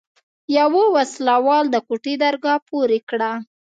يوه وسله وال د کوټې درګاه پورې کړه.